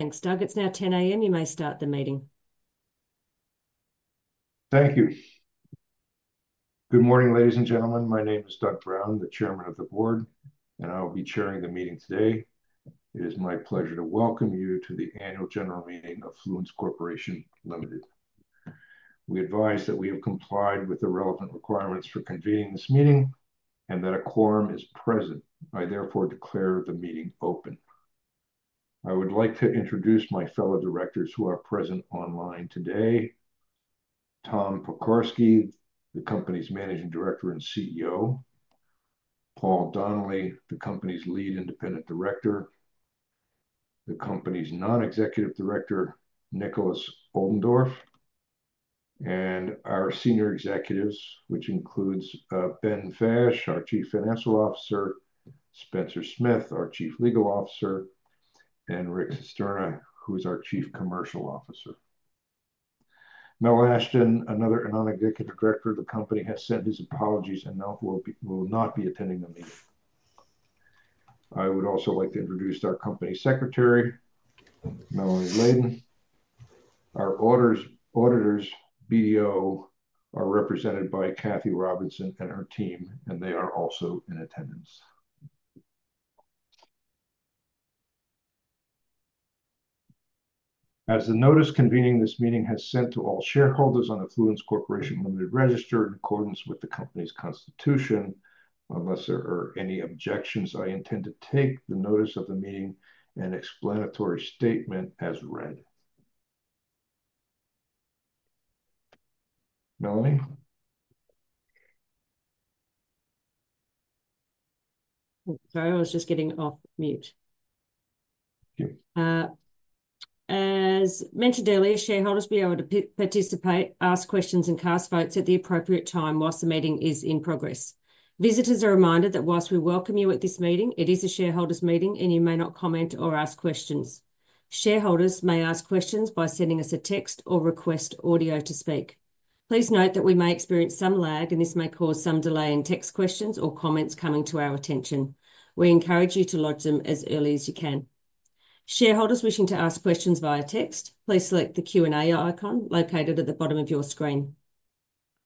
Thanks, Doug. It's now 10:00 A.M. You may start the meeting. Thank you. Good morning, ladies and gentlemen. My name is Doug Brown, the Chairman of the Board, and I will be chairing the meeting today. It is my pleasure to welcome you to the annual general meeting of Fluence Corporation Limited. We advise that we have complied with the relevant requirements for convening this meeting and that a quorum is present. I therefore declare the meeting open. I would like to introduce my fellow directors who are present online today: Tom Pokorsky, the company's Managing Director and CEO; Paul Donnelly, the company's Lead Independent Director; the company's Non-Executive Director, Nikolaus Oldendorff; and our Senior Executives, which includes Ben Fash, our Chief Financial Officer; Spencer Smith, our Chief Legal Officer; and Rick Cisterna, who is our Chief Commercial Officer. Mel Ashton, another Non-Executive Director of the company, has sent his apologies and will not be attending the meeting. I would also like to introduce our Company Secretary, Melanie Leydin. Our Auditors, BDO, are represented by Kathy Robinson and her team, and they are also in attendance. As the notice convening this meeting has sent to all shareholders on the Fluence Corporation Limited register in accordance with the company's constitution, unless there are any objections, I intend to take the notice of the meeting and explanatory statement as read. Melanie? Sorry, I was just getting off mute. Okay. As mentioned earlier, shareholders will be able to participate, ask questions, and cast votes at the appropriate time whilst the meeting is in progress. Visitors are reminded that whilst we welcome you at this meeting, it is a shareholders' meeting and you may not comment or ask questions. Shareholders may ask questions by sending us a text or request audio to speak. Please note that we may experience some lag, and this may cause some delay in text questions or comments coming to our attention. We encourage you to lodge them as early as you can. Shareholders wishing to ask questions via text, please select the Q&A icon located at the bottom of your screen.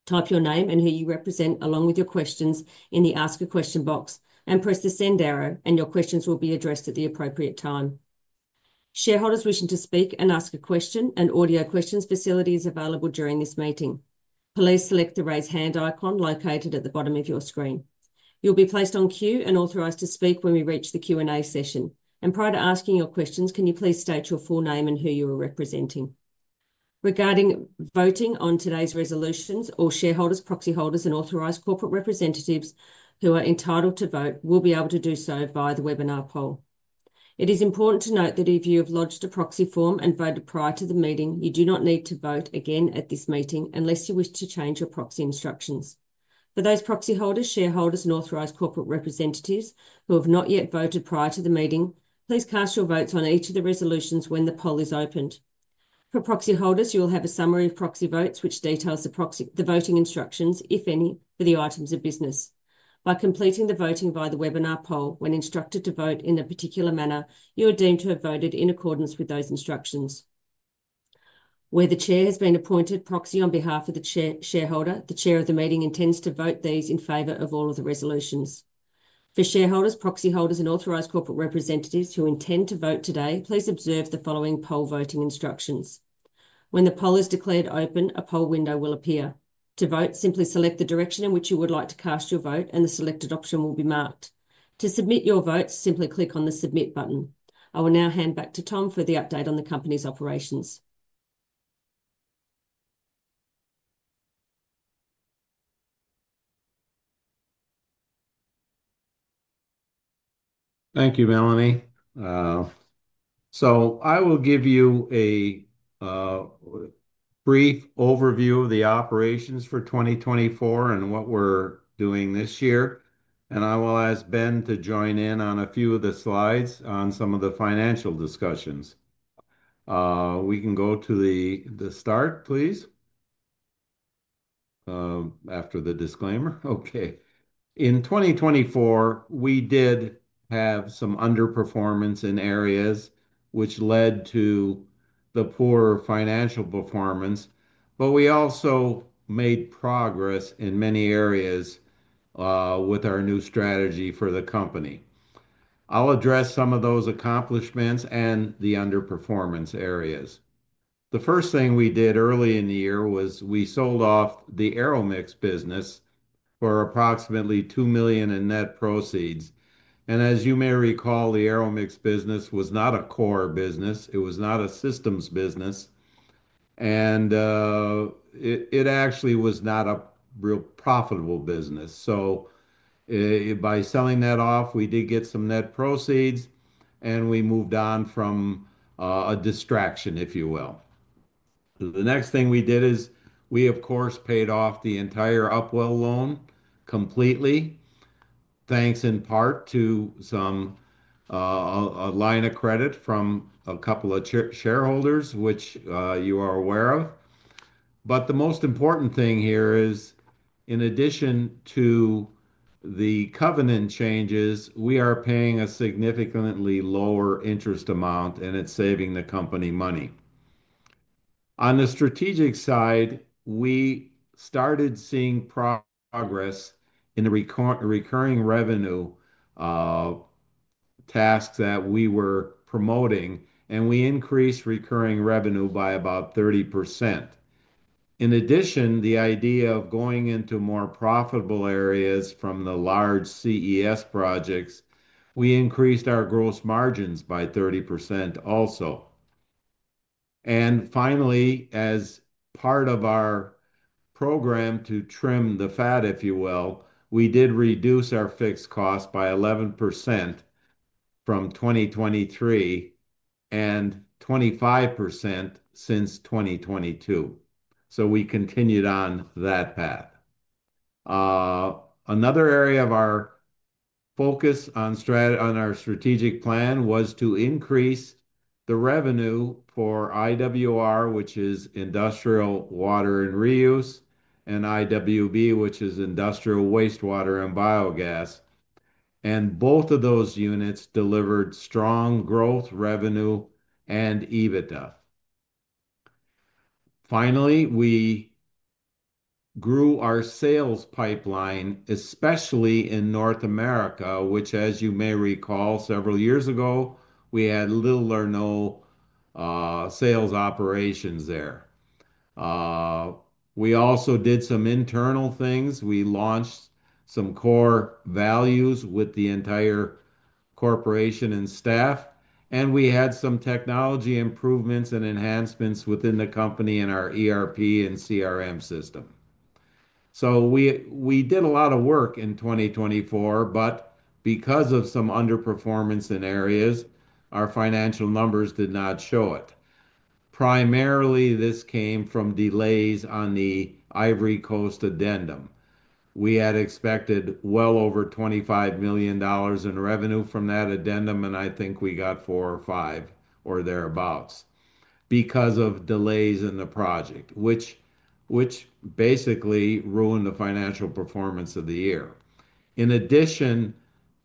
Type your name and who you represent along with your questions in the Ask a Question box and press the send arrow, and your questions will be addressed at the appropriate time. Shareholders wishing to speak and ask a question, an audio questions facility is available during this meeting. Please select the raise hand icon located at the bottom of your screen. You'll be placed on cue and authorized to speak when we reach the Q&A session. Prior to asking your questions, can you please state your full name and who you are representing? Regarding voting on today's resolutions, all shareholders, proxy holders, and authorized corporate representatives who are entitled to vote will be able to do so via the webinar poll. It is important to note that if you have lodged a proxy form and voted prior to the meeting, you do not need to vote again at this meeting unless you wish to change your proxy instructions. For those proxy holders, shareholders, and authorized corporate representatives who have not yet voted prior to the meeting, please cast your votes on each of the resolutions when the poll is opened. For proxy holders, you will have a summary of proxy votes, which details the voting instructions, if any, for the items of business. By completing the voting via the webinar poll, when instructed to vote in a particular manner, you are deemed to have voted in accordance with those instructions. Where the Chair has been appointed proxy on behalf of the shareholder, the Chair of the meeting intends to vote these in favor of all of the resolutions. For shareholders, proxy holders, and authorized corporate representatives who intend to vote today, please observe the following poll voting instructions. When the poll is declared open, a poll window will appear. To vote, simply select the direction in which you would like to cast your vote, and the selected option will be marked. To submit your vote, simply click on the submit button. I will now hand back to Tom for the update on the company's operations. Thank you, Melanie. I will give you a brief overview of the operations for 2024 and what we're doing this year. I will ask Ben to join in on a few of the slides on some of the financial discussions. We can go to the start, please, after the disclaimer. In 2024, we did have some underperformance in areas, which led to the poor financial performance, but we also made progress in many areas with our new strategy for the company. I'll address some of those accomplishments and the underperformance areas. The first thing we did early in the year was we sold off the Aeromix business for approximately $2 million in net proceeds. As you may recall, the Aeromix business was not a core business. It was not a systems business. It actually was not a real profitable business. By selling that off, we did get some net proceeds, and we moved on from a distraction, if you will. The next thing we did is we, of course, paid off the entire Upwell loan completely, thanks in part to some line of credit from a couple of shareholders, which you are aware of. The most important thing here is, in addition to the covenant changes, we are paying a significantly lower interest amount, and it's saving the company money. On the strategic side, we started seeing progress in the recurring revenue tasks that we were promoting, and we increased recurring revenue by about 30%. In addition, the idea of going into more profitable areas from th e large CES projects, we increased our gross margins by 30% also. Finally, as part of our program to trim the fat, if you will, we did reduce our fixed costs by 11% from 2023 and 25% since 2022. We continued on that path. Another area of our focus on our strategic plan was to increase the revenue for IWR, which is Industrial Water and Reuse, and IWB, which is Industrial Wastewater and Biogas. Both of those units delivered strong growth revenue and EBITDA. Finally, we grew our sales pipeline, especially in North America, which, as you may recall, several years ago, we had little or no sales operations there. We also did some internal things. We launched some core values with the entire corporation and staff, and we had some technology improvements and enhancements within the company and our ERP and CRM system. We did a lot of work in 2024, but because of some underperformance in areas, our financial numbers did not show it. Primarily, this came from delays on the Ivory Coast addendum. We had expected well over $25 million in revenue from that addendum, and I think we got four or five or thereabouts because of delays in the project, which basically ruined the financial performance of the year. In addition,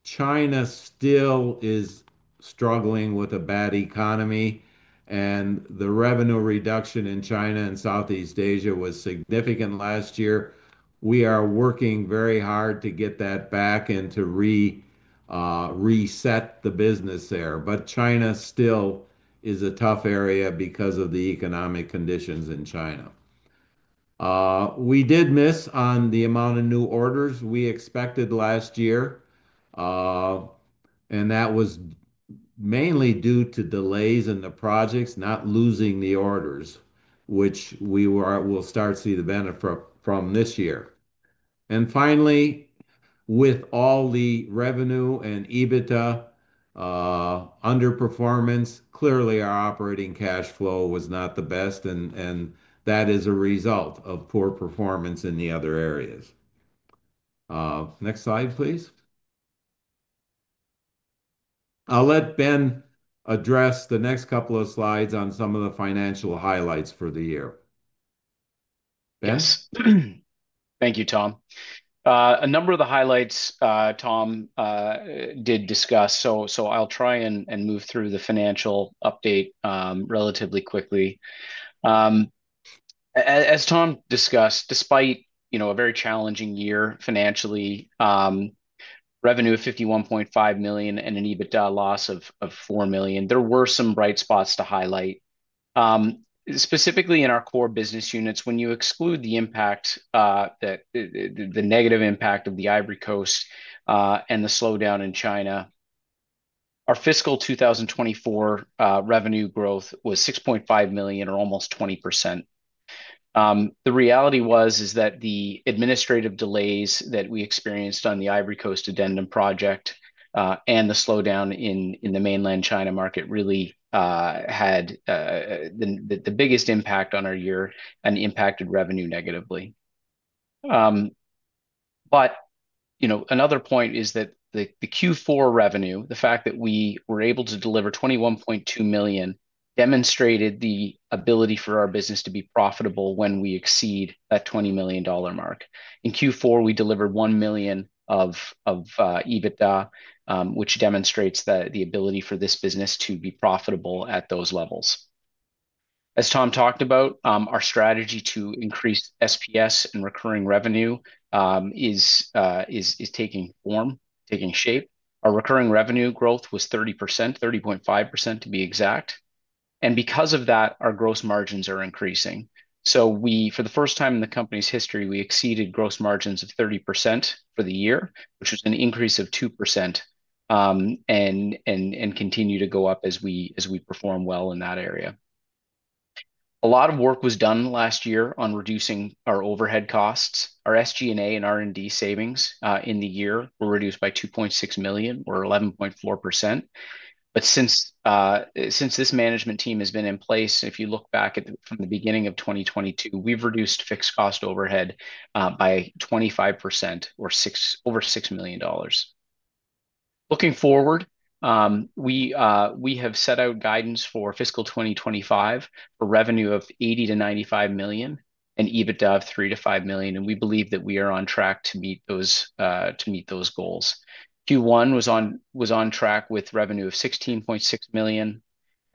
China still is struggling with a bad economy, and the revenue reduction in China and Southeast Asia was significant last year. We are working very hard to get that back and to reset the business there. China still is a tough area because of the economic conditions in China. We did miss on the amount of new orders we expected last year, and that was mainly due to delays in the projects, not losing the orders, which we will start to see the benefit from this year. Finally, with all the revenue and EBITDA underperformance, clearly our operating cash flow was not the best, and that is a result of poor performance in the other areas. Next slide, please. I'll let Ben address the next couple of slides on some of the financial highlights for the year. Yes. Thank you, Tom. A number of the highlights Tom did discuss, so I'll try and move through the financial update relatively quickly. As Tom discussed, despite a very challenging year financially, revenue of $51.5 million and an EBITDA loss of $4 million, there were some bright spots to highlight. Specifically in our core business units, when you exclude the impact, the negative impact of the Ivory Coast and the slowdown in China, our fiscal 2024 revenue growth was $6.5 million, or almost 20%. The reality was that the administrative delays that we experienced on the Ivory Coast addendum project and the slowdown in the mainland China market really had the biggest impact on our year and impacted revenue negatively. Another point is that the Q4 revenue, the fact that we were able to deliver $21.2 million, demonstrated the ability for our business to be profitable when we exceed that $20 million mark. In Q4, we delivered $1 million of EBITDA, which demonstrates the ability for this business to be profitable at those levels. As Tom talked about, our strategy to increase SPS and recurring revenue is taking form, taking shape. Our recurring revenue growth was 30%, 30.5% to be exact. Because of that, our gross margins are increasing. For the first time in the company's history, we exceeded gross margins of 30% for the year, which was an increase of 2% and continued to go up as we perform well in that area. A lot of work was done last year on reducing our overhead costs. Our SG&A and R&D savings in the year were reduced by $2.6 million, or 11.4%. Since this management team has been in place, if you look back at from the beginning of 2022, we've reduced fixed cost overhead by 25%, or over $6 million. Looking forward, we have set out guidance for fiscal 2025 for revenue of $80 million-$95 million and EBITDA of $3 million-$5 million. We believe that we are on track to meet those goals. Q1 was on track with revenue of $16.6 million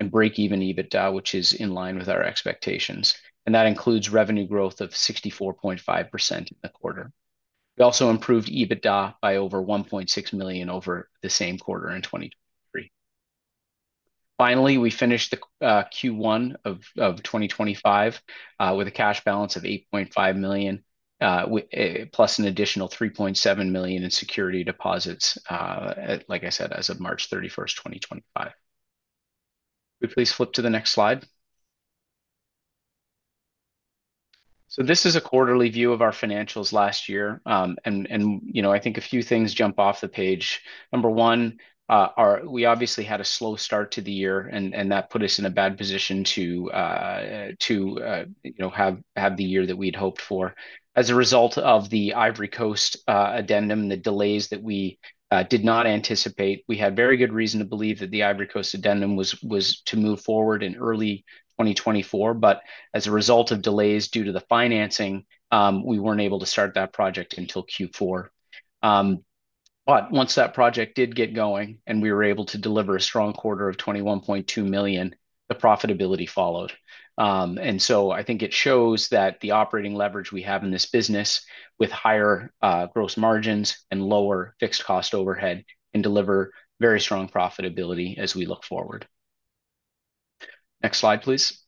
and break-even EBITDA, which is in line with our expectations. That includes revenue growth of 64.5% in the quarter. We also improved EBITDA by over $1.6 million over the same quarter in 2023. Finally, we finished Q1 of 2025 with a cash balance of $8.5 million, plus an additional $3.7 million in security deposits, like I said, as of March 31, 2025. Could we please flip to the next slide? This is a quarterly view of our financials last year. I think a few things jump off the page. Number one, we obviously had a slow start to the year, and that put us in a bad position to have the year that we'd hoped for. As a result of the Ivory Coast addendum and the delays that we did not anticipate, we had very good reason to believe that the Ivory Coast addendum was to move forward in early 2024. As a result of delays due to the financing, we were not able to start that project until Q4. Once that project did get going and we were able to deliver a strong quarter of $21.2 million, the profitability followed. I think it shows that the operating leverage we have in this business with higher gross margins and lower fixed cost overhead can deliver very strong profitability as we look forward. Next slide, please.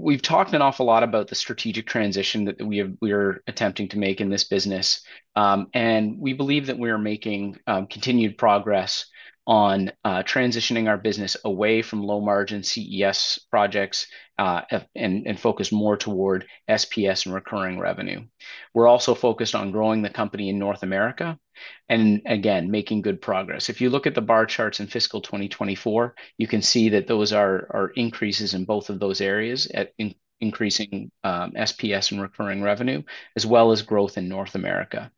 We have talked an awful lot about the strategic transition that we are attempting to make in this business. We believe that we are making continued progress on transitioning our business away from low-margin CES projects and focus more toward SPS and recurring revenue. We are also focused on growing the company in North America and, again, making good progress. If you look at the bar charts in fiscal 2024, you can see that those are increases in both of those areas, increasing SPS and recurring revenue, as well as growth in North America.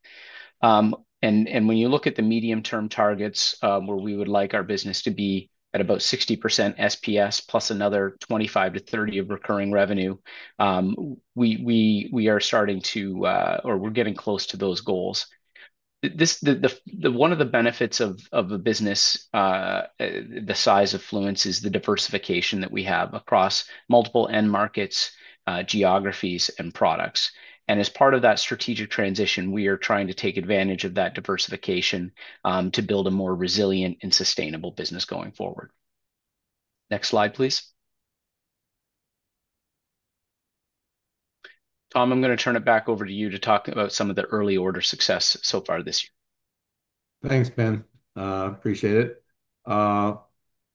When you look at the medium-term targets where we would like our business to be at about 60% SPS plus another 25%-30% of recurring revenue, we are starting to, or we're getting close to those goals. One of the benefits of a business the size of Fluence is the diversification that we have across multiple end markets, geographies, and products. As part of that strategic transition, we are trying to take advantage of that diversification to build a more resilient and sustainable business going forward. Next slide, please. Tom, I'm going to turn it back over to you to talk about some of the early order success so far this year. Thanks, Ben. Appreciate it.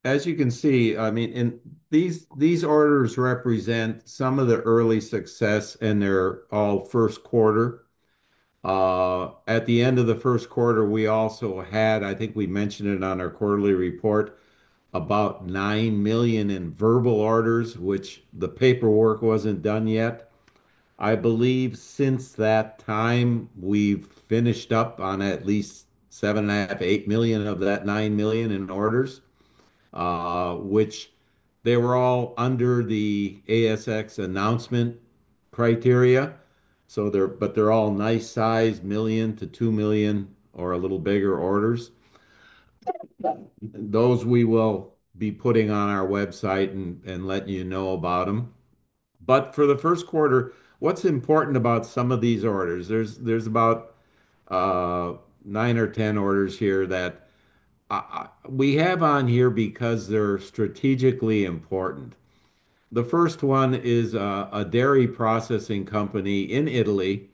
As you can see, I mean, these orders represent some of the early success, and they're all first quarter. At the end of the first quarter, we also had, I think we mentioned it on our quarterly report, about $9 million in verbal orders, which the paperwork wasn't done yet. I believe since that time, we've finished up on at least $7.5 million-$8 million of that $9 million in orders, which they were all under the ASX announcement criteria. They're all nice-sized $1 million-$2 million or a little bigger orders. Those we will be putting on our website and letting you know about them. For the first quarter, what's important about some of these orders? There's about nine or ten orders here that we have on here because they're strategically important. The first one is a dairy processing company in Italy.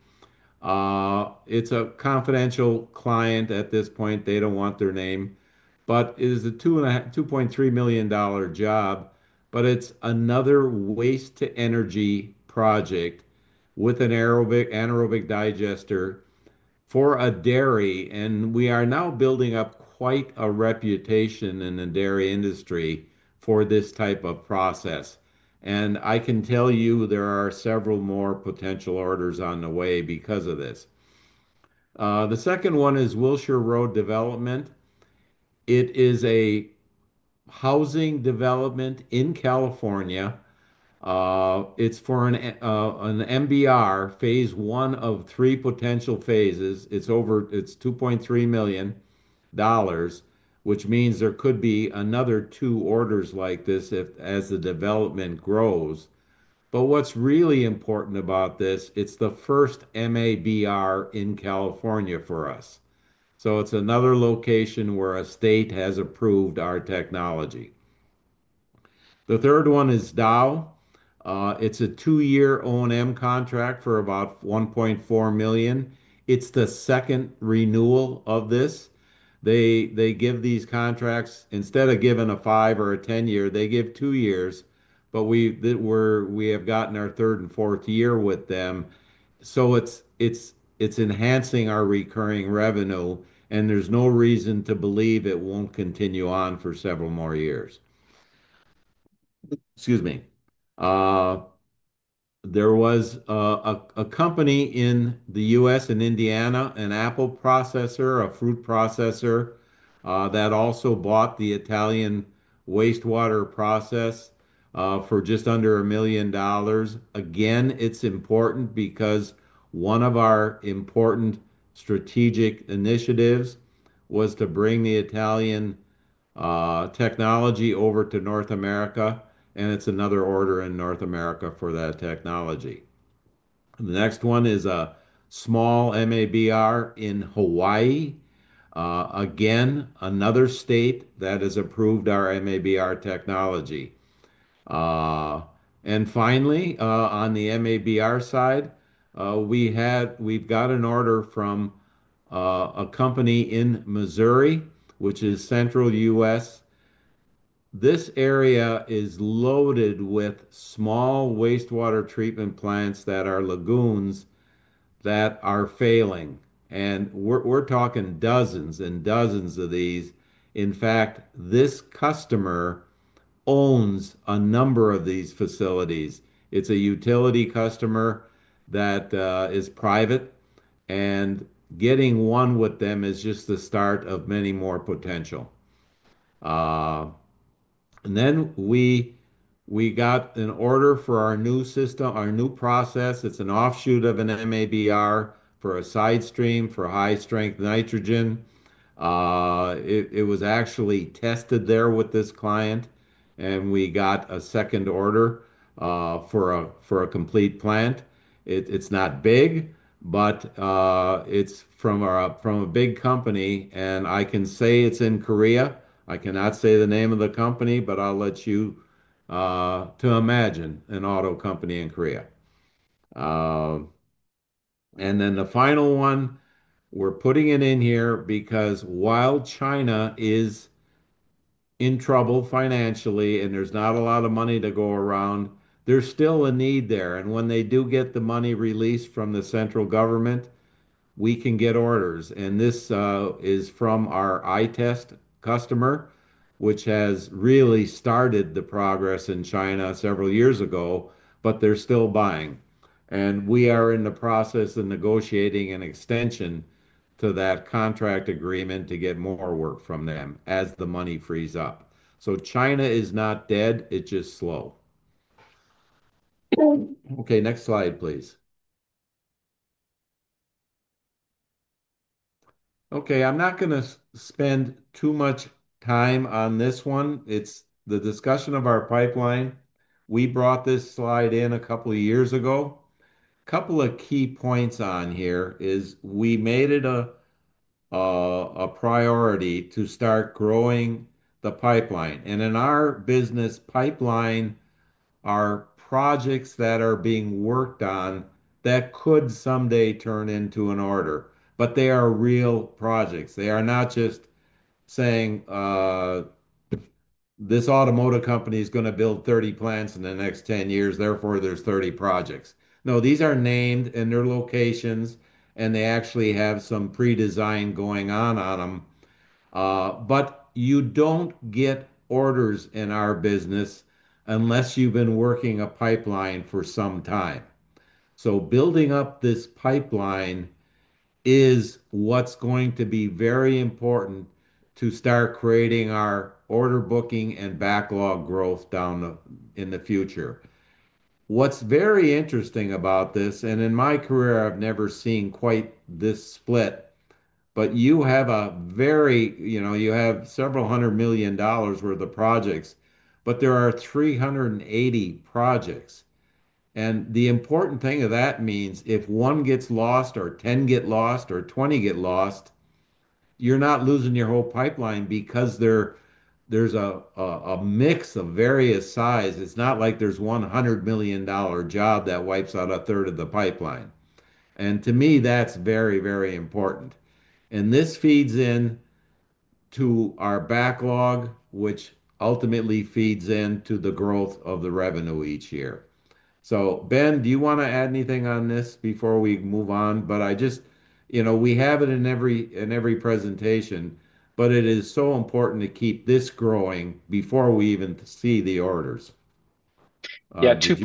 It's a confidential client at this point. They don't want their name. It is a $2.3 million job, but it's another waste-to-energy project with an anaerobic digester for a dairy. We are now building up quite a reputation in the dairy industry for this type of process. I can tell you there are several more potential orders on the way because of this. The second one is Wilshire Road Development. It is a housing development in California. It's for an MBR, phase one of three potential phases. It's $2.3 million, which means there could be another two orders like this as the development grows. What is really important about this, it's the first MABR in California for us. It is another location where a state has approved our technology. The third one is Dow. It's a two-year O&M contract for about $1.4 million. It's the second renewal of this. They give these contracts, instead of giving a 5 or a 10 year, they give 2 years. But we have gotten our third and fourth year with them. So it's enhancing our recurring revenue, and there's no reason to believe it won't continue on for several more years. Excuse me. There was a company in the U.S. in Indiana, an apple processor, a fruit processor, that also bought the Italian wastewater process for just under $1 million. Again, it's important because one of our important strategic initiatives was to bring the Italian technology over to North America, and it's another order in North America for that technology. The next one is a small MABR in Hawaii. Again, another state that has approved our MABR technology. Finally, on the MABR side, we've got an order from a company in Missouri, which is Central US. This area is loaded with small wastewater treatment plants that are lagoons that are failing. We're talking dozens and dozens of these. In fact, this customer owns a number of these facilities. It's a utility customer that is private, and getting one with them is just the start of many more potential. We got an order for our new system, our new process. It's an offshoot of an MABR for a side stream for high-strength nitrogen. It was actually tested there with this client, and we got a second order for a complete plant. It's not big, but it's from a big company. I can say it's in Korea. I cannot say the name of the company, but I'll let you imagine an auto company in Korea. Then the final one, we're putting it in here because while China is in trouble financially and there's not a lot of money to go around, there's still a need there. When they do get the money released from the central government, we can get orders. This is from our iTest customer, which has really started the progress in China several years ago, but they're still buying. We are in the process of negotiating an extension to that contract agreement to get more work from them as the money frees up. China is not dead. It's just slow. Okay. Next slide, please. Okay. I'm not going to spend too much time on this one. It's the discussion of our pipeline. We brought this slide in a couple of years ago. A couple of key points on here is we made it a priority to start growing the pipeline. In our business pipeline, our projects that are being worked on, that could someday turn into an order. They are real projects. They are not just saying, "This Automotive company is going to build 30 plants in the next 10 years. Therefore, there's 30 projects." No, these are named and their locations, and they actually have some pre-design going on on them. You do not get orders in our business unless you have been working a pipeline for some time. Building up this pipeline is what is going to be very important to start creating our order booking and backlog growth in the future. What's very interesting about this, and in my career, I've never seen quite this split, but you have several hundred million dollars worth of projects, but there are 380 projects. The important thing of that means if one gets lost or 10 get lost or 20 get lost, you're not losing your whole pipeline because there's a mix of various sizes. It's not like there's a $100 million job that wipes out a third of the pipeline. To me, that's very, very important. This feeds into our backlog, which ultimately feeds into the growth of the revenue each year. Ben, do you want to add anything on this before we move on? I just, we have it in every presentation, but it is so important to keep this growing before we even see the orders. Yeah. Two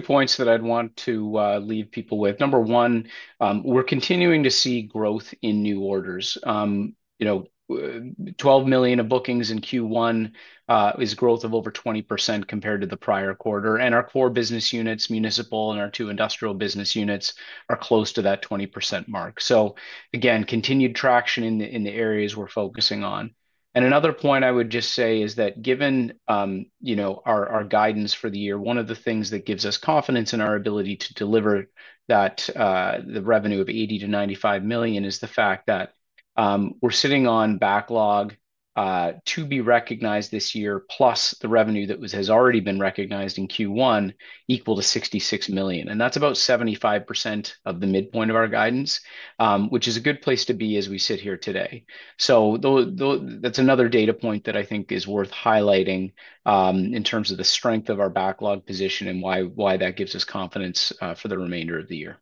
points that I'd want to leave people with. Number one, we're continuing to see growth in new orders. $12 million of bookings in Q1 is growth of over 20% compared to the prior quarter. Our core business units, municipal and our two industrial business units, are close to that 20% mark. Again, continued traction in the areas we're focusing on. Another point I would just say is that given our guidance for the year, one of the things that gives us confidence in our ability to deliver the revenue of $80 million-$95 million is the fact that we're sitting on backlog to be recognized this year, plus the revenue that has already been recognized in Q1 equal to $66 million. That's about 75% of the midpoint of our guidance, which is a good place to be as we sit here today. That's another data point that I think is worth highlighting in terms of the strength of our backlog position and why that gives us confidence for the remainder of the year.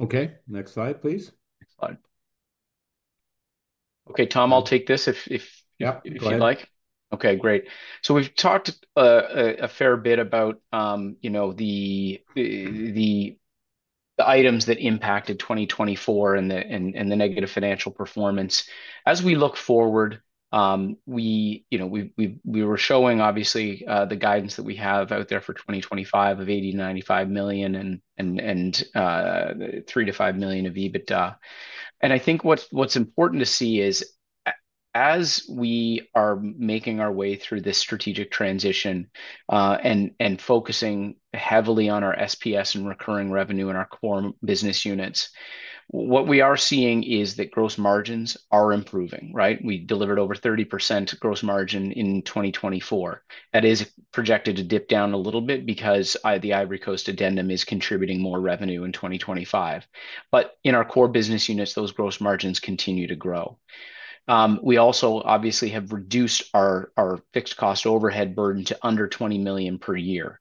Okay. Next slide, please. Okay. Tom, I'll take this if you'd like. Yeah. Okay. Great. So we've talked a fair bit about the items that impacted 2024 and the negative financial performance. As we look forward, we were showing, obviously, the guidance that we have out there for 2025 of $80 million-$95 million and $3 million-$5 million of EBITDA. And I think what's important to see is as we are making our way through this strategic transition and focusing heavily on our SPS and recurring revenue and our core business units, what we are seeing is that gross margins are improving, right? We delivered over 30% gross margin in 2024. That is projected to dip down a little bit because the Ivory Coast addendum is contributing more revenue in 2025. But in our core business units, those gross margins continue to grow. We also, obviously, have reduced our fixed cost overhead burden to under $20 million per year.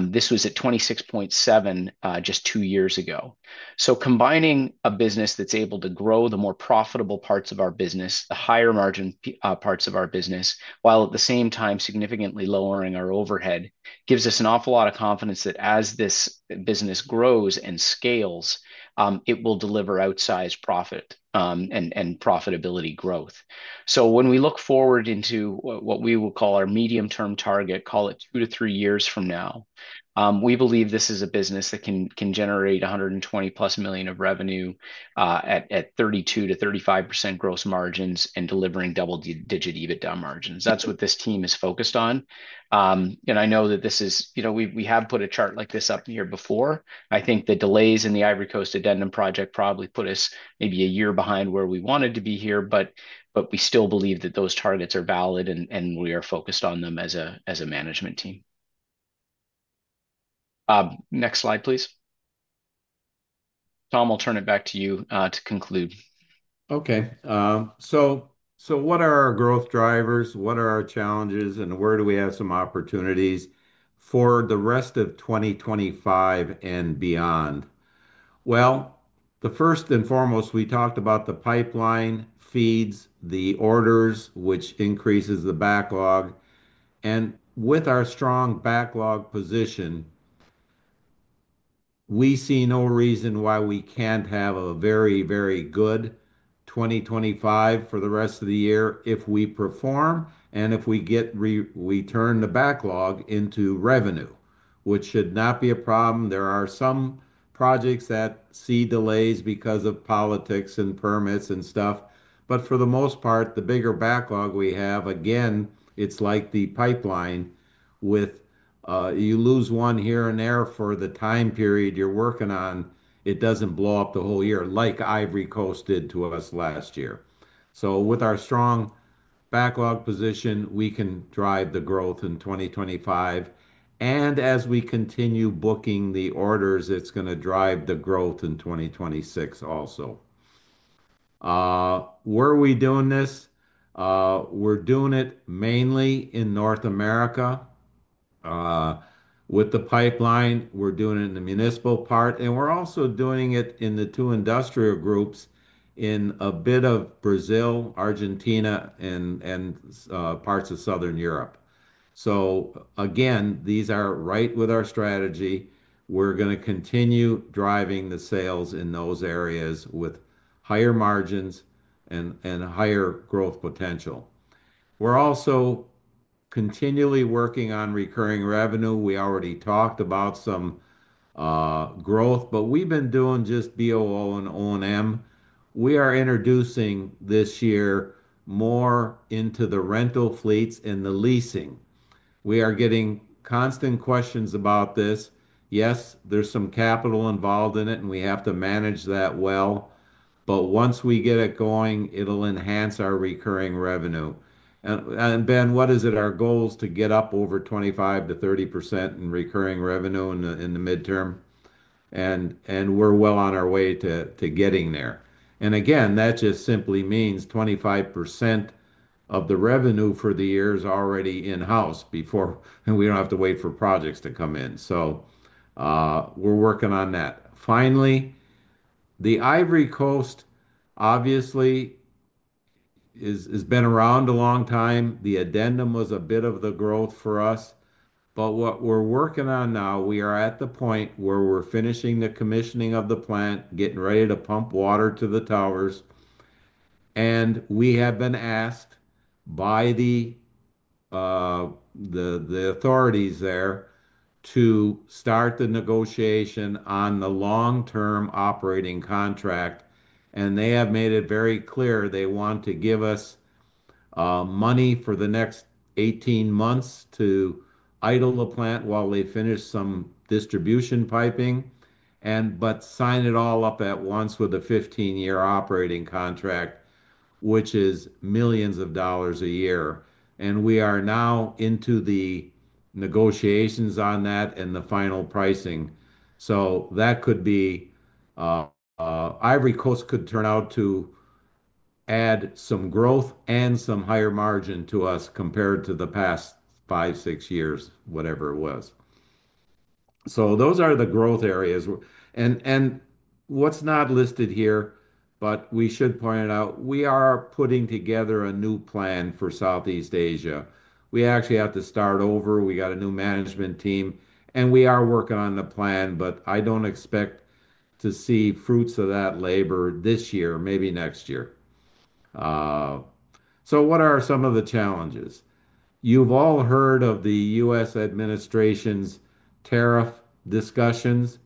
This was at 26.7 just two years ago. Combining a business that is able to grow the more profitable parts of our business, the higher margin parts of our business, while at the same time significantly lowering our overhead, gives us an awful lot of confidence that as this business grows and scales, it will deliver outsized profit and profitability growth. When we look forward into what we will call our medium-term target, call it two to three years from now, we believe this is a business that can generate $120 million-plus of revenue at 32%-35% gross margins and delivering double-digit EBITDA margins. That is what this team is focused on. I know that we have put a chart like this up here before. I think the delays in the Ivory Coast addendum project probably put us maybe a year behind where we wanted to be here, but we still believe that those targets are valid, and we are focused on them as a management team. Next slide, please. Tom, I'll turn it back to you to conclude. Okay. So what are our growth drivers? What are our challenges? And where do we have some opportunities for the rest of 2025 and beyond? The first and foremost, we talked about the pipeline feeds, the orders, which increases the backlog. With our strong backlog position, we see no reason why we can't have a very, very good 2025 for the rest of the year if we perform and if we turn the backlog into revenue, which should not be a problem. There are some projects that see delays because of politics and permits and stuff. For the most part, the bigger backlog we have, again, it's like the pipeline with you lose one here and there for the time period you're working on, it doesn't blow up the whole year like Ivory Coast did to us last year. With our strong backlog position, we can drive the growth in 2025. As we continue booking the orders, it's going to drive the growth in 2026 also. Where are we doing this? We're doing it mainly in North America with the pipeline. We're doing it in the municipal part. We're also doing it in the two industrial groups in a bit of Brazil, Argentina, and parts of Southern Europe. These are right with our strategy. We're going to continue driving the sales in those areas with higher margins and higher growth potential. We're also continually working on recurring revenue. We already talked about some growth, but we've been doing just BOO and O&M. We are introducing this year more into the rental fleets and the leasing. We are getting constant questions about this. Yes, there's some capital involved in it, and we have to manage that well. Once we get it going, it'll enhance our recurring revenue. Ben, what is it our goal is to get up over 25%-30% in recurring revenue in the midterm? We're well on our way to getting there. That just simply means 25% of the revenue for the year is already in-house before we don't have to wait for projects to come in. We're working on that. Finally, the Ivory Coast, obviously, has been around a long time. The addendum was a bit of the growth for us. What we're working on now, we are at the point where we're finishing the commissioning of the plant, getting ready to pump water to the towers. We have been asked by the authorities there to start the negotiation on the long-term operating contract. They have made it very clear they want to give us money for the next 18 months to idle the plant while they finish some distribution piping, but sign it all up at once with a 15-year operating contract, which is millions of dollars a year. We are now into the negotiations on that and the final pricing. That could be Ivory Coast could turn out to add some growth and some higher margin to us compared to the past five, six years, whatever it was. Those are the growth areas. What's not listed here, but we should point it out, we are putting together a new plan for Southeast Asia. We actually have to start over. We got a new management team. We are working on the plan, but I do not expect to see fruits of that labor this year, maybe next year. What are some of the challenges? You have all heard of the U.S. administration's tariff discussions.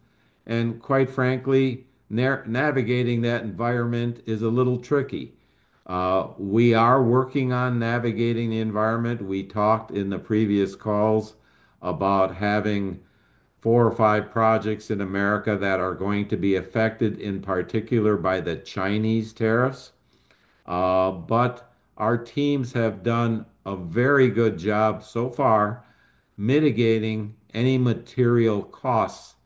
Quite frankly, navigating that environment is a little tricky. We are working on navigating the environment. We talked in the previous calls about having four or five projects in America that are going to be affected in particular by the Chinese tariffs. Our teams have done a very good job so far mitigating any material costs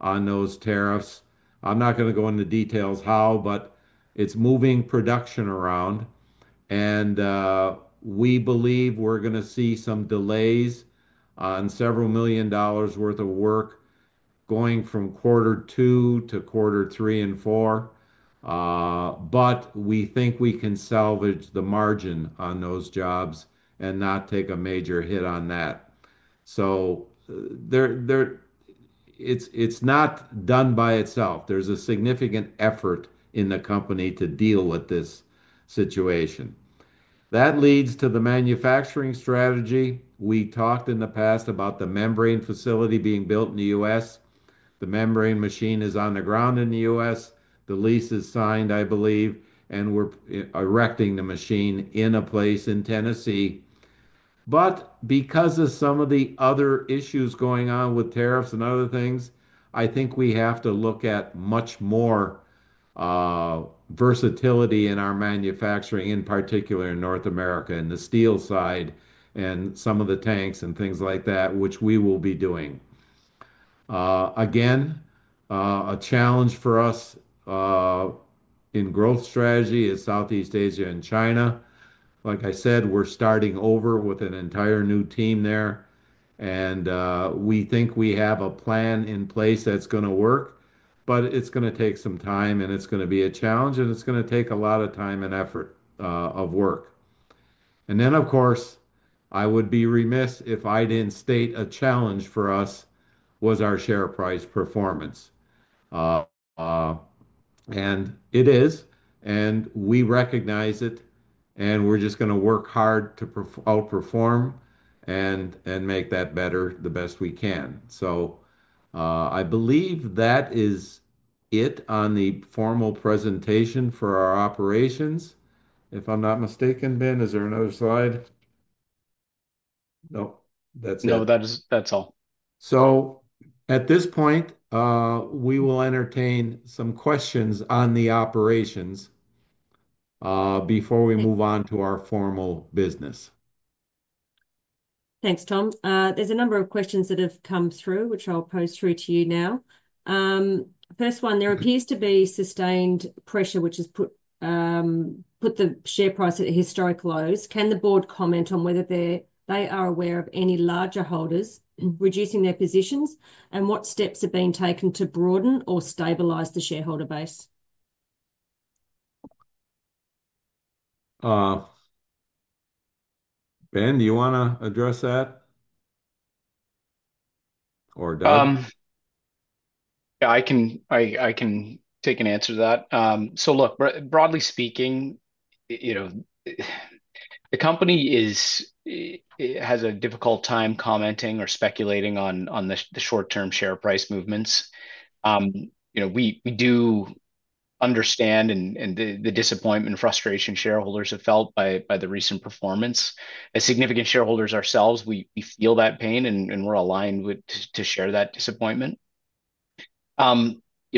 on those tariffs. I am not going to go into details how, but it is moving production around. We believe we are going to see some delays on several million dollars' worth of work going from quarter two to quarter three and four. We think we can salvage the margin on those jobs and not take a major hit on that. It is not done by itself. There is a significant effort in the company to deal with this situation. That leads to the manufacturing strategy. We talked in the past about the membrane facility being built in the U.S. The membrane machine is on the ground in the U.S. The lease is signed, I believe, and we are erecting the machine in a place in Tennessee. Because of some of the other issues going on with tariffs and other things, I think we have to look at much more versatility in our manufacturing, in particular in North America and the steel side and some of the tanks and things like that, which we will be doing. Again, a challenge for us in growth strategy is Southeast Asia and China. Like I said, we're starting over with an entire new team there. We think we have a plan in place that's going to work, but it's going to take some time, and it's going to be a challenge, and it's going to take a lot of time and effort of work. Of course, I would be remiss if I didn't state a challenge for us was our share price performance. It is, and we recognize it, and we're just going to work hard to outperform and make that better the best we can. I believe that is it on the formal presentation for our operations. If I'm not mistaken, Ben, is there another slide? Nope. That's it. No, that's all. At this point, we will entertain some questions on the operations before we move on to our formal business. Thanks, Tom. There's a number of questions that have come through, which I'll pose through to you now. First one, there appears to be sustained pressure, which has put the share price at historic lows. Can the board comment on whether they are aware of any larger holders reducing their positions and what steps are being taken to broaden or stabilize the shareholder base? Ben, do you want to address that? Or Doug? Yeah, I can take an answer to that. Look, broadly speaking, the company has a difficult time commenting or speculating on the short-term share price movements. We do understand the disappointment and frustration shareholders have felt by the recent performance. As significant shareholders ourselves, we feel that pain, and we're aligned to share that disappointment.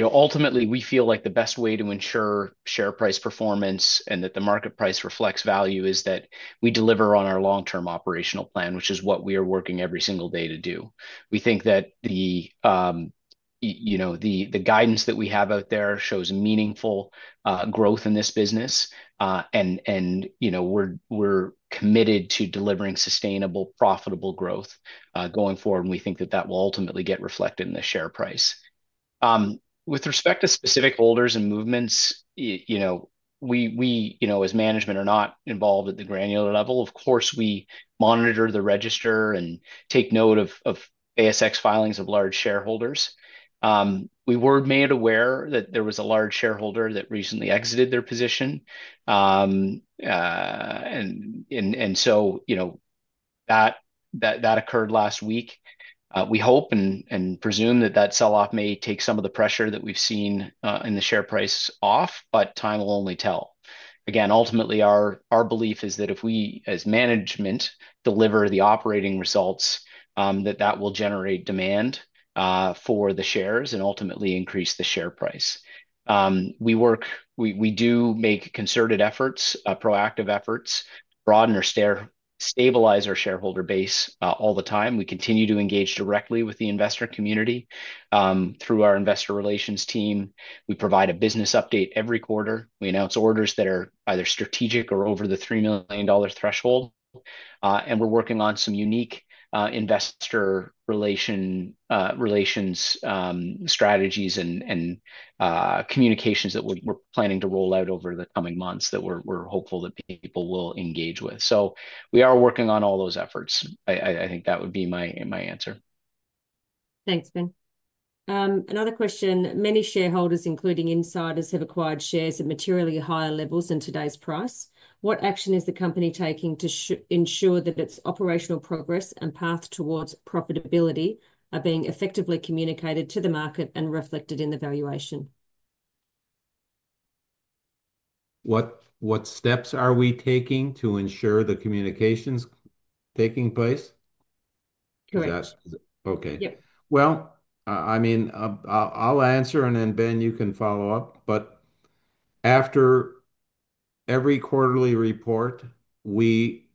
Ultimately, we feel like the best way to ensure share price performance and that the market price reflects value is that we deliver on our long-term operational plan, which is what we are working every single day to do. We think that the guidance that we have out there shows meaningful growth in this business, and we're committed to delivering sustainable, profitable growth going forward, and we think that that will ultimately get reflected in the share price. With respect to specific holders and movements, we, as management, are not involved at the granular level. Of course, we monitor the register and take note of ASX filings of large shareholders. We were made aware that there was a large shareholder that recently exited their position. That occurred last week. We hope and presume that that sell-off may take some of the pressure that we've seen in the share price off, but time will only tell. Again, ultimately, our belief is that if we, as management, deliver the operating results, that that will generate demand for the shares and ultimately increase the share price. We do make concerted efforts, proactive efforts, to broaden or stabilize our shareholder base all the time. We continue to engage directly with the investor community through our investor relations team. We provide a business update every quarter. We announce orders that are either strategic or over the $3 million threshold. We are working on some unique investor relations strategies and communications that we are planning to roll out over the coming months that we are hopeful that people will engage with. We are working on all those efforts. I think that would be my answer. Thanks, Ben. Another question. Many shareholders, including insiders, have acquired shares at materially higher levels than today's price. What action is the company taking to ensure that its operational progress and path towards profitability are being effectively communicated to the market and reflected in the valuation? What steps are we taking to ensure the communication's taking place? Correct. Okay. I mean, I'll answer, and then Ben, you can follow up. After every quarterly report, we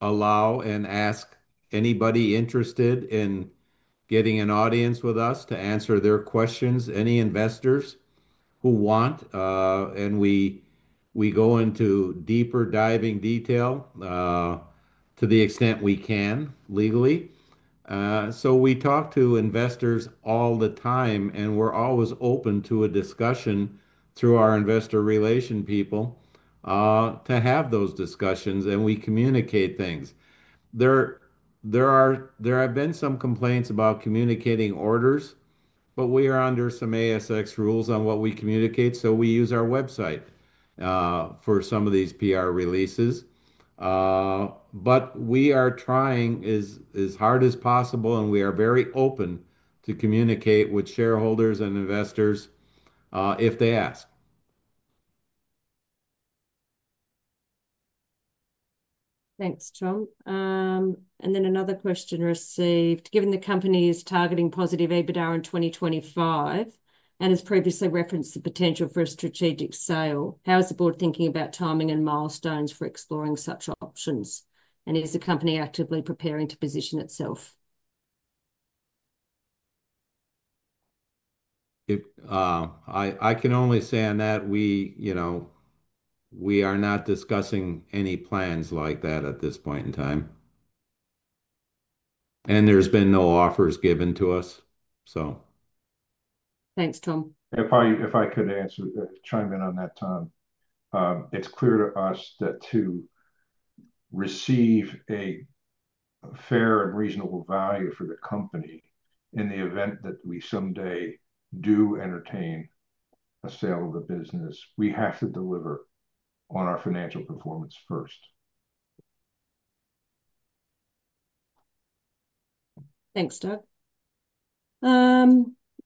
allow and ask anybody interested in getting an audience with us to answer their questions, any investors who want. We go into deeper diving detail to the extent we can legally. We talk to investors all the time, and we're always open to a discussion through our investor relation people to have those discussions, and we communicate things. There have been some complaints about communicating orders, but we are under some ASX rules on what we communicate. We use our website for some of these PR releases. We are trying as hard as possible, and we are very open to communicate with shareholders and investors if they ask. Thanks, Tom. Another question received. Given the company is targeting positive EBITDA in 2025 and has previously referenced the potential for a strategic sale, how is the board thinking about timing and milestones for exploring such options? Is the company actively preparing to position itself? I can only say on that, we are not discussing any plans like that at this point in time. There have been no offers given to us, so. Thanks, Tom. If I could answer, chime in on that, Tom. It's clear to us that to receive a fair and reasonable value for the company, in the event that we someday do entertain a sale of the business, we have to deliver on our financial performance first. Thanks, Doug.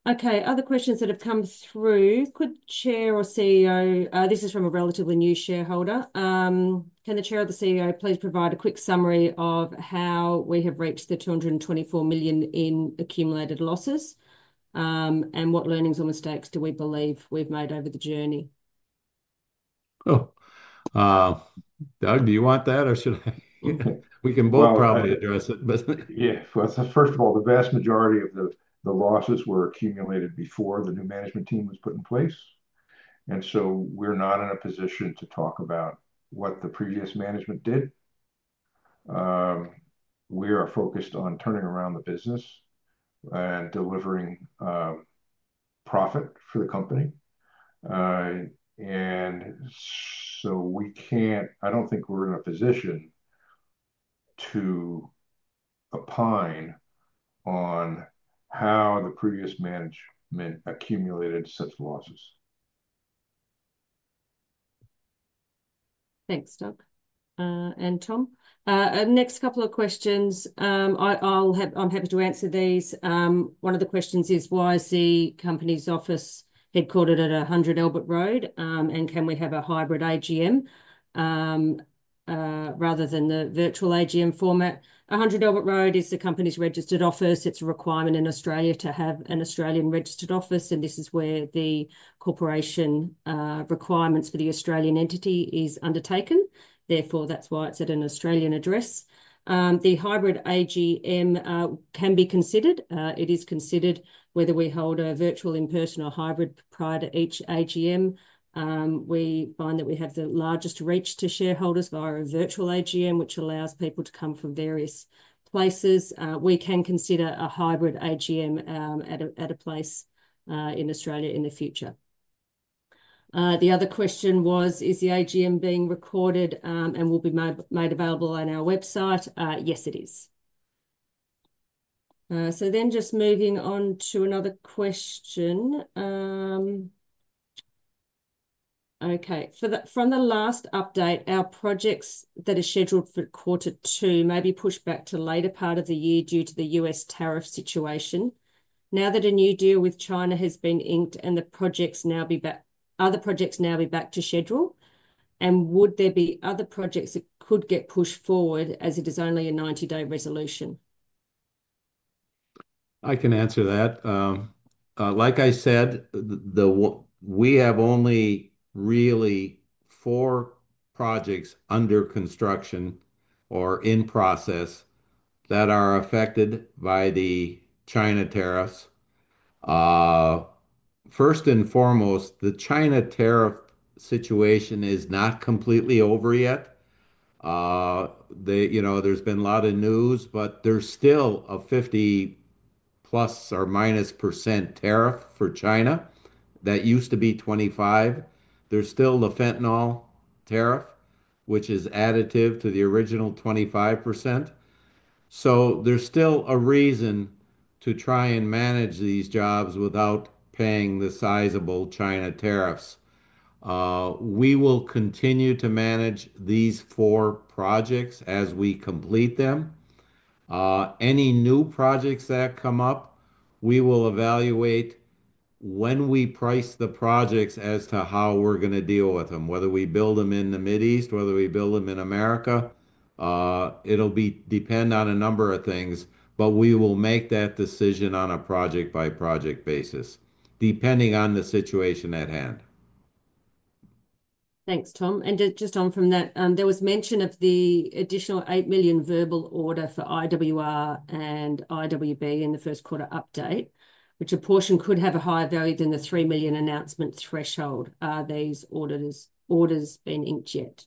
Okay, other questions that have come through. Could Chair or CEO—this is from a relatively new shareholder—can the Chair or the CEO please provide a quick summary of how we have reached the $224 million in accumulated losses and what learnings or mistakes do we believe we've made over the journey? Doug, do you want that, or should I? We can both probably address it, but. Yeah. First of all, the vast majority of the losses were accumulated before the new management team was put in place. We are not in a position to talk about what the previous management did. We are focused on turning around the business and delivering profit for the company. I do not think we are in a position to opine on how the previous management accumulated such losses. Thanks, Doug. And Tom, next couple of questions. I'm happy to answer these. One of the questions is, why is the company's office headquartered at 100 Elbert Road, and can we have a hybrid AGM rather than the virtual AGM format? 100 Elbert Road is the company's registered office. It's a requirement in Australia to have an Australian registered office, and this is where the corporation requirements for the Australian entity are undertaken. Therefore, that's why it's at an Australian address. The hybrid AGM can be considered. It is considered whether we hold a virtual, in-person, or hybrid prior to each AGM. We find that we have the largest reach to shareholders via a virtual AGM, which allows people to come from various places. We can consider a hybrid AGM at a place in Australia in the future. The other question was, is the AGM being recorded and will be made available on our website? Yes, it is. Moving on to another question. From the last update, our projects that are scheduled for quarter two may be pushed back to later part of the year due to the U.S. tariff situation. Now that a new deal with China has been inked and other projects now be back to schedule, would there be other projects that could get pushed forward as it is only a 90-day resolution? I can answer that. Like I said, we have only really four projects under construction or in process that are affected by the China tariffs. First and foremost, the China tariff situation is not completely over yet. There's been a lot of news, but there's still a 50% plus or minus tariff for China. That used to be 25%. There's still the fentanyl tariff, which is additive to the original 25%. So there's still a reason to try and manage these jobs without paying the sizable China tariffs. We will continue to manage these four projects as we complete them. Any new projects that come up, we will evaluate when we price the projects as to how we're going to deal with them, whether we build them in the Mideast, whether we build them in America. It'll depend on a number of things, but we will make that decision on a project-by-project basis, depending on the situation at hand. Thanks, Tom. Just on from that, there was mention of the additional $8 million verbal order for IWR and IWB in the first quarter update, which a portion could have a higher value than the $3 million announcement threshold. Are these orders been inked yet?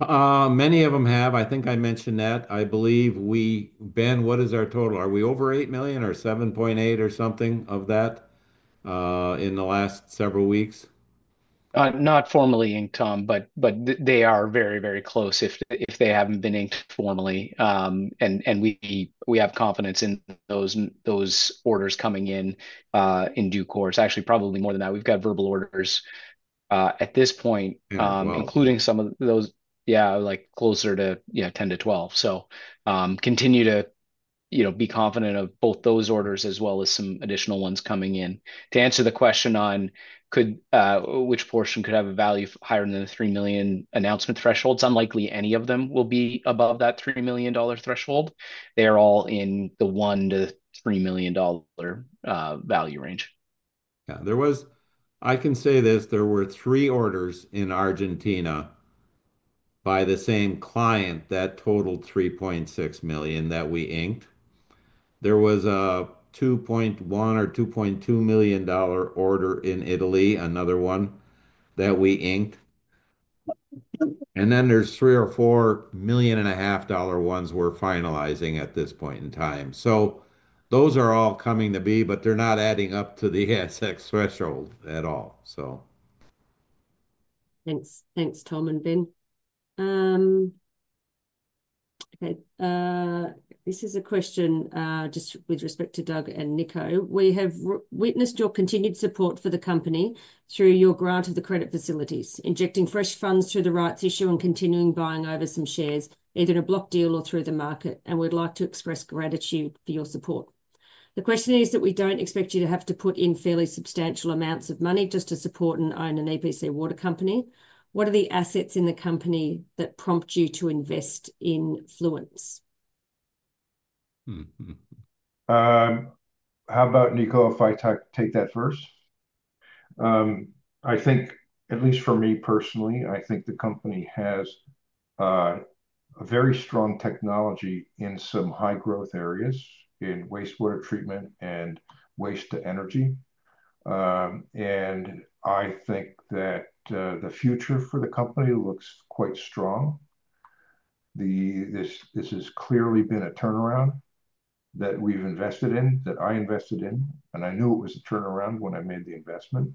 Many of them have. I think I mentioned that. I believe we—Ben, what is our total? Are we over $8 million or $7.8 million or something of that in the last several weeks? Not formally inked, Tom, but they are very, very close if they haven't been inked formally. We have confidence in those orders coming in due course. Actually, probably more than that. We've got verbal orders at this point, including some of those, yeah, closer to 10-12. Continue to be confident of both those orders as well as some additional ones coming in. To answer the question on which portion could have a value higher than the $3 million announcement threshold, it's unlikely any of them will be above that $3 million threshold. They are all in the $1 million-3 million value range. Yeah. I can say this. There were three orders in Argentina by the same client that totaled $3.6 million that we inked. There was a $2.1 million or $2.2 million order in Italy, another one that we inked. And then there are three or four $1.5 million ones we're finalizing at this point in time. Those are all coming to be, but they're not adding up to the ASX threshold at all. Thanks, Tom and Ben. This is a question just with respect to Doug and Niko. We have witnessed your continued support for the company through your grant of the credit facilities, injecting fresh funds through the rights issue and continuing buying over some shares, either in a block deal or through the market. We'd like to express gratitude for your support. The question is that we don't expect you to have to put in fairly substantial amounts of money just to support and own an EPC Water Company. What are the assets in the company that prompt you to invest in Fluence? How about Niko if I take that first? I think, at least for me personally, I think the company has a very strong technology in some high-growth areas in wastewater treatment and waste to energy. I think that the future for the company looks quite strong. This has clearly been a turnaround that we've invested in, that I invested in, and I knew it was a turnaround when I made the investment.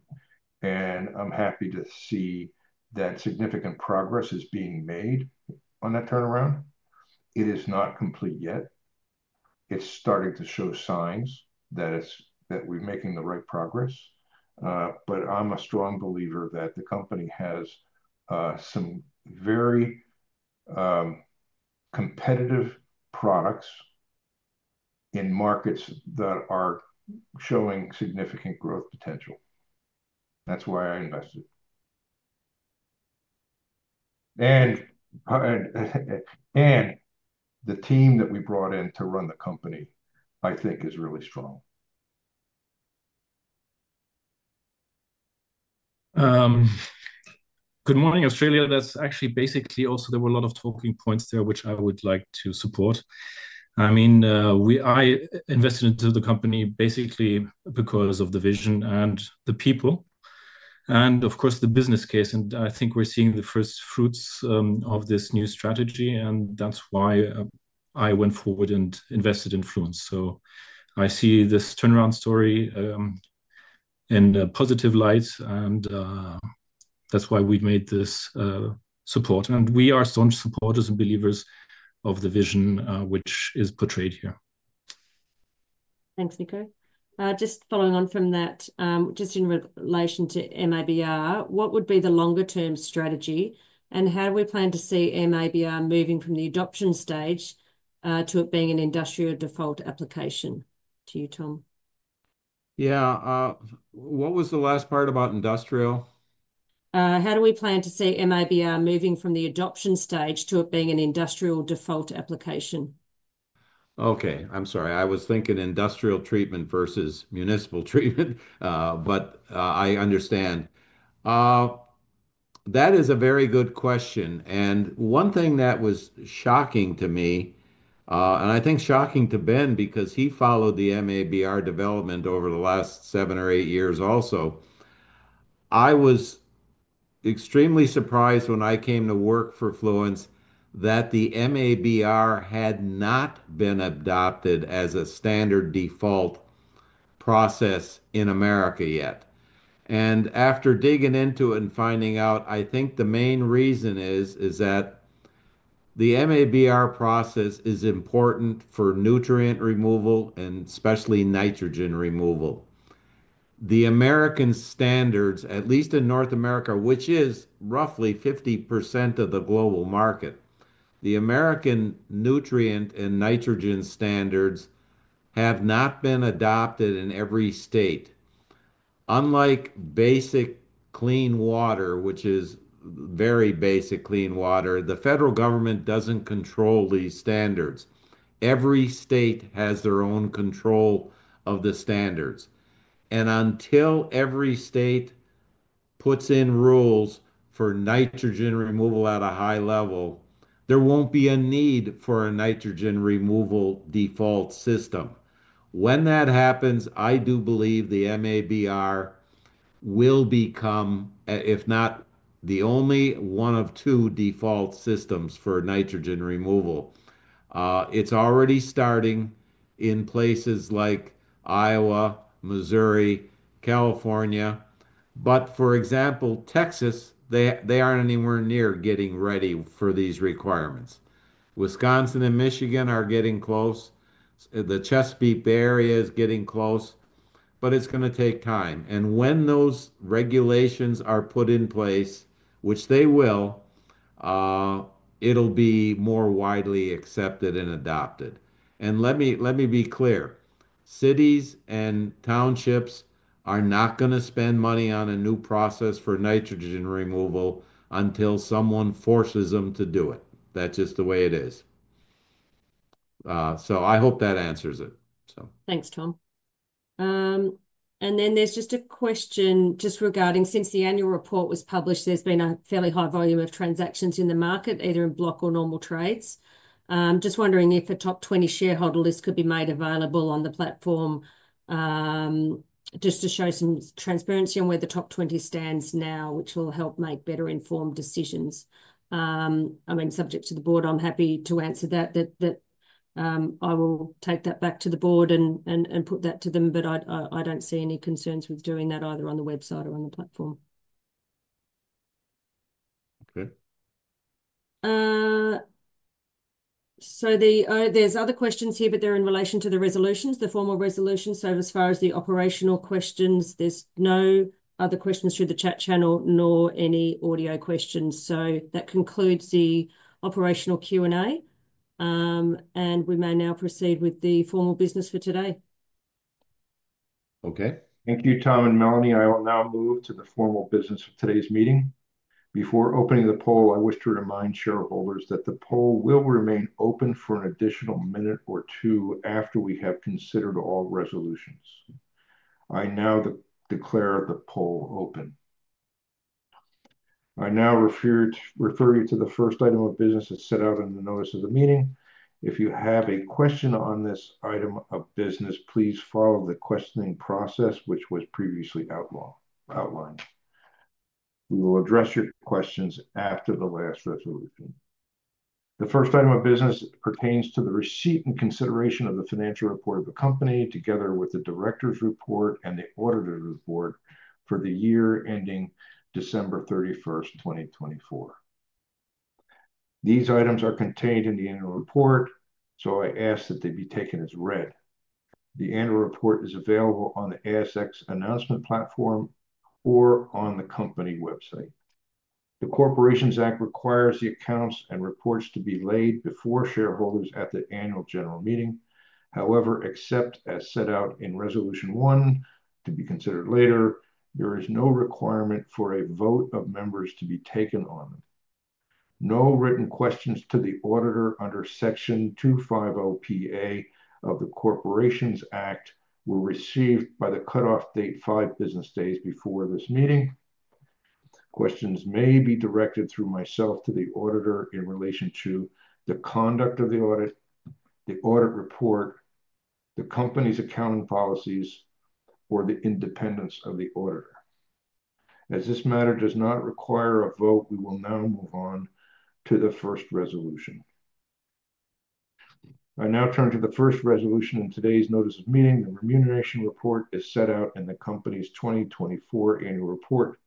I'm happy to see that significant progress is being made on that turnaround. It is not complete yet. It's starting to show signs that we're making the right progress. I'm a strong believer that the company has some very competitive products in markets that are showing significant growth potential. That's why I invested. The team that we brought in to run the company, I think, is really strong. Good morning, Australia. That's actually basically also there were a lot of talking points there, which I would like to support. I mean, I invested into the company basically because of the vision and the people and, of course, the business case. I think we're seeing the first fruits of this new strategy, and that's why I went forward and invested in Fluence. I see this turnaround story in a positive light, and that's why we made this support. We are staunch supporters and believers of the vision, which is portrayed here. Thanks, Niko. Just following on from that, just in relation to MABR, what would be the longer-term strategy, and how do we plan to see MABR moving from the adoption stage to it being an industrial default application? To you, Tom. Yeah. What was the last part about industrial? How do we plan to see MABR moving from the adoption stage to it being an industrial default application? Okay. I'm sorry. I was thinking industrial treatment versus municipal treatment, but I understand. That is a very good question. One thing that was shocking to me, and I think shocking to Ben because he followed the MABR development over the last seven or eight years also, I was extremely surprised when I came to work for Fluence that the MABR had not been adopted as a standard default process in America yet. After digging into it and finding out, I think the main reason is that the MABR process is important for nutrient removal and especially nitrogen removal. The American standards, at least in North America, which is roughly 50% of the global market, the American nutrient and nitrogen standards have not been adopted in every state. Unlike basic clean water, which is very basic clean water, the federal government doesn't control these standards. Every state has their own control of the standards. Until every state puts in rules for nitrogen removal at a high level, there will not be a need for a nitrogen removal default system. When that happens, I do believe the MABR will become, if not the only, one of two default systems for nitrogen removal. It is already starting in places like Iowa, Missouri, California. For example, Texas, they are not anywhere near getting ready for these requirements. Wisconsin and Michigan are getting close. The Chesapeake Bay Area is getting close, but it is going to take time. When those regulations are put in place, which they will, it will be more widely accepted and adopted. Let me be clear. Cities and townships are not going to spend money on a new process for nitrogen removal until someone forces them to do it. That is just the way it is. I hope that answers it, so. Thanks, Tom. There is just a question regarding since the annual report was published, there has been a fairly high volume of transactions in the market, either in block or normal trades. Just wondering if a top 20 shareholder list could be made available on the platform just to show some transparency on where the top 20 stands now, which will help make better-informed decisions. I mean, subject to the board, I am happy to answer that. I will take that back to the board and put that to them, but I do not see any concerns with doing that either on the website or on the platform. Okay. There are other questions here, but they are in relation to the resolutions, the formal resolutions. As far as the operational questions, there are no other questions through the chat channel nor any audio questions. That concludes the operational Q&A. We may now proceed with the formal business for today. Okay. Thank you, Tom and Melanie. I will now move to the formal business of today's meeting. Before opening the poll, I wish to remind shareholders that the poll will remain open for an additional minute or two after we have considered all resolutions. I now declare the poll open. I now refer you to the first item of business as set out in the notice of the meeting. If you have a question on this item of business, please follow the questioning process, which was previously outlined. We will address your questions after the last resolution. The first item of business pertains to the receipt and consideration of the financial report of the company together with the director's report and the auditor's report for the year ending December 31, 2024. These items are contained in the annual report, so I ask that they be taken as read. The annual report is available on the ASX announcement platform or on the company website. The Corporations Act requires the accounts and reports to be laid before shareholders at the annual general meeting. However, except as set out in resolution one to be considered later, there is no requirement for a vote of members to be taken on. No written questions to the auditor under Section 250pa of the Corporations Act were received by the cutoff date five business days before this meeting. Questions may be directed through myself to the auditor in relation to the conduct of the audit, the audit report, the company's accounting policies, or the independence of the auditor. As this matter does not require a vote, we will now move on to the first resolution. I now turn to the first resolution in today's notice of meeting. The remuneration report is set out in the company's 2024 annual report.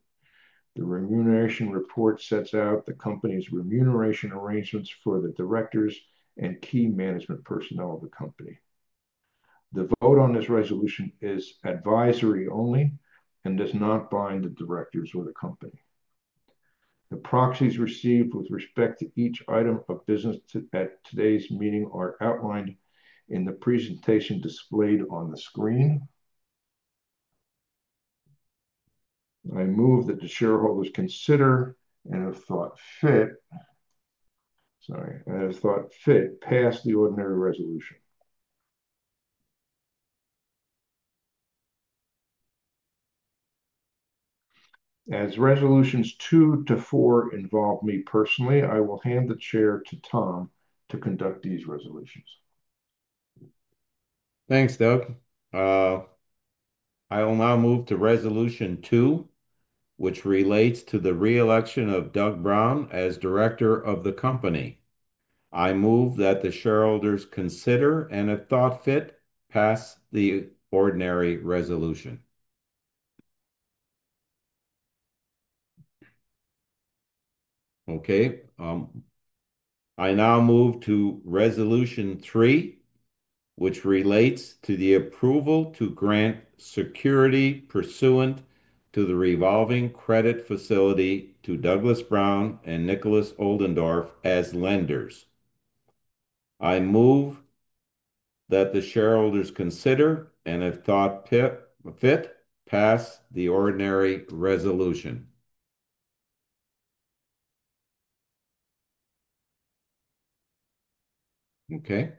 The remuneration report sets out the company's remuneration arrangements for the directors and key management personnel of the company. The vote on this resolution is advisory only and does not bind the directors or the company. The proxies received with respect to each item of business at today's meeting are outlined in the presentation displayed on the screen. I move that the shareholders consider and, if thought fit, pass the ordinary resolution. As resolutions two to four involve me personally, I will hand the chair to Tom to conduct these resolutions. Thanks, Doug. I will now move to resolution two, which relates to the re-election of Doug Brown as director of the company. I move that the shareholders consider and, if thought fit, pass the ordinary resolution. Okay. I now move to resolution three, which relates to the approval to grant security pursuant to the revolving credit facility to Doug Brown and Nicholas Oldendorf as lenders. I move that the shareholders consider and, if thought fit, pass the ordinary resolution. Okay.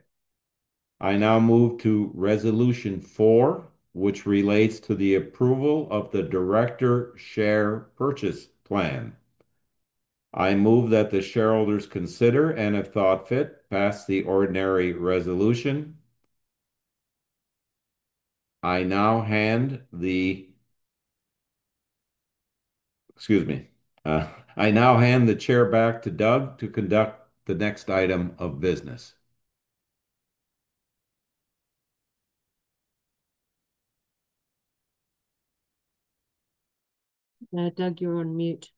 I now move to resolution four, which relates to the approval of the director share purchase plan. I move that the shareholders consider and, if thought fit, pass the ordinary resolution. I now hand the—excuse me. I now hand the chair back to Doug to conduct the next item of business. Doug, you're on mute.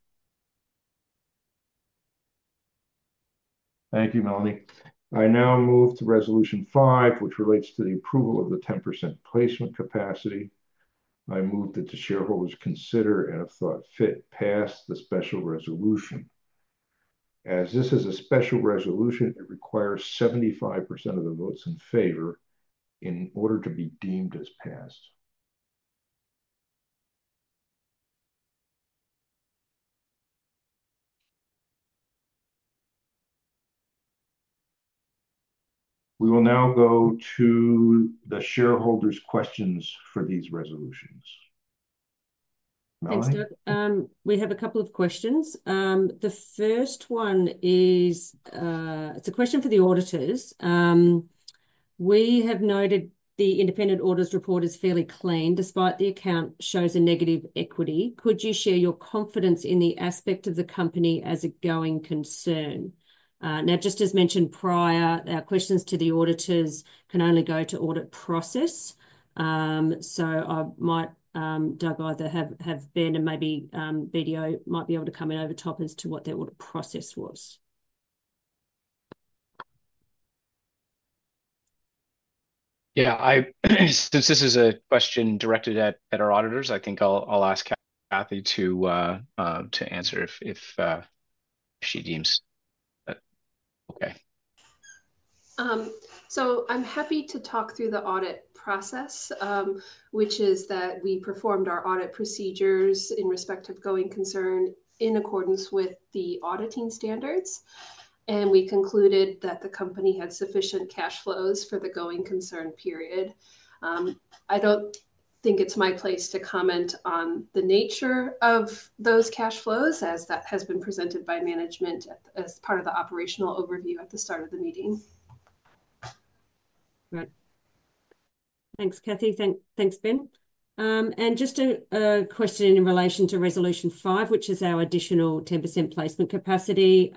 Thank you, Melanie. I now move to resolution five, which relates to the approval of the 10% placement capacity. I move that the shareholders consider and, if thought fit, pass the special resolution. As this is a special resolution, it requires 75% of the votes in favor in order to be deemed as passed. We will now go to the shareholders' questions for these resolutions. Thanks, Doug. We have a couple of questions. The first one is it's a question for the auditors. We have noted the independent auditor's report is fairly clean despite the account shows a negative equity. Could you share your confidence in the aspect of the company as a going concern? Now, just as mentioned prior, our questions to the auditors can only go to audit process. So Doug either have Ben and maybe BDO might be able to come in over top as to what their audit process was. Yeah. Since this is a question directed at our auditors, I think I'll ask Kathy to answer if she deems okay. I'm happy to talk through the audit process, which is that we performed our audit procedures in respect of going concern in accordance with the auditing standards. We concluded that the company had sufficient cash flows for the going concern period. I don't think it's my place to comment on the nature of those cash flows as that has been presented by management as part of the operational overview at the start of the meeting. Thanks, Kathy. Thanks, Ben. Just a question in relation to resolution five, which is our additional 10% placement capacity.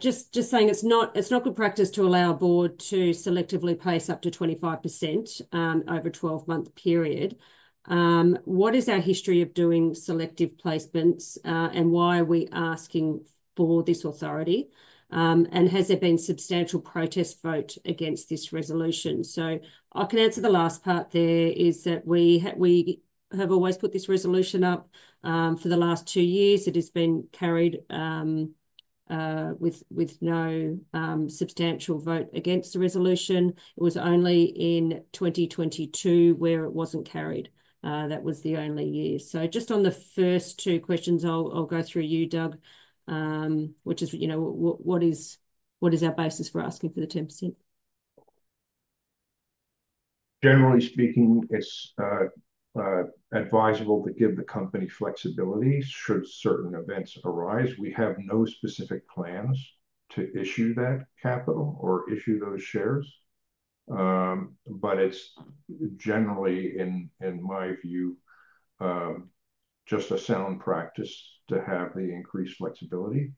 Just saying it's not good practice to allow a board to selectively place up to 25% over a 12-month period. What is our history of doing selective placements and why are we asking for this authority? Has there been substantial protest vote against this resolution? I can answer the last part there is that we have always put this resolution up. For the last two years, it has been carried with no substantial vote against the resolution. It was only in 2022 where it was not carried. That was the only year. Just on the first two questions, I will go through you, Doug, which is what is our basis for asking for the 10%? Generally speaking, it's advisable to give the company flexibility should certain events arise. We have no specific plans to issue that capital or issue those shares. It's generally, in my view, just a sound practice to have the increased flexibility.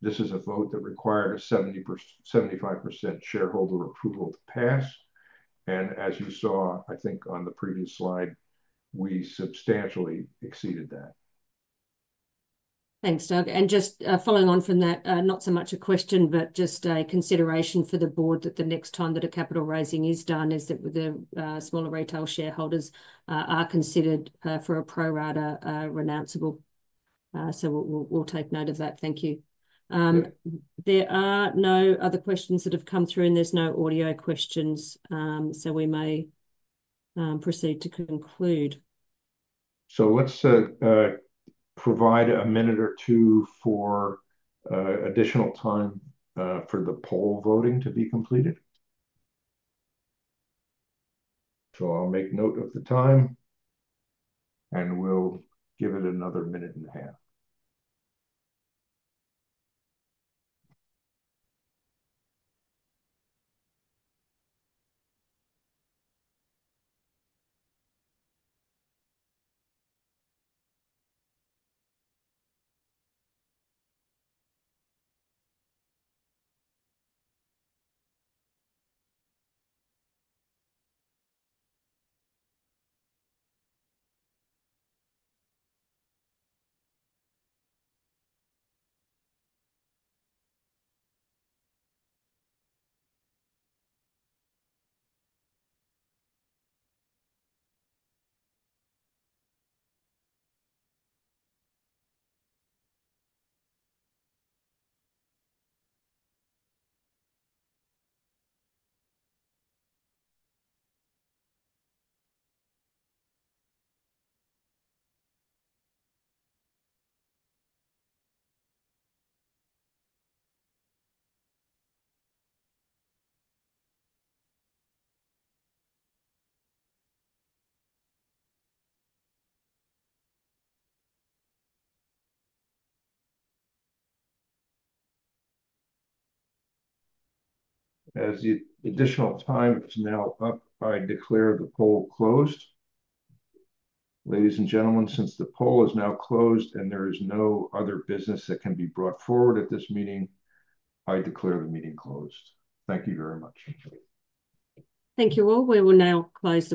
This is a vote that required a 75% shareholder approval to pass. As you saw, I think on the previous slide, we substantially exceeded that. Thanks, Doug. And just following on from that, not so much a question, but just a consideration for the board that the next time that a capital raising is done is that the smaller retail shareholders are considered for a pro rata renounceable. We will take note of that. Thank you. There are no other questions that have come through, and there are no audio questions. We may proceed to conclude. Let's provide a minute or two for additional time for the poll voting to be completed. I'll make note of the time, and we'll give it another minute and a half. As the additional time is now up, I declare the poll closed. Ladies and gentlemen, since the poll is now closed and there is no other business that can be brought forward at this meeting, I declare the meeting closed. Thank you very much. Thank you all. We will now close the.